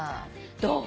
どう？